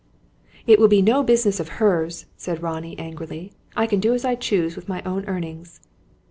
"It will be no business of hers," said Ronnie, angrily. "I can do as I choose with my own earnings."